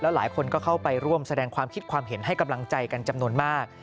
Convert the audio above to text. หลายคนก็เข้าไปร่วมแสดงความคิดความเห็นให้กำลังใจกันจำนวนมาก